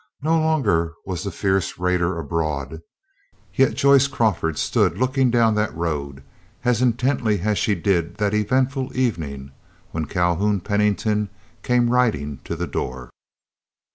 No longer was the fierce raider abroad; yet Joyce Crawford stood looking down that road as intently as she did that eventful evening when Calhoun Pennington came riding to the door.